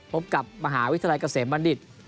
พบกับมหาวิทยาลัยเกษมบัณฑิต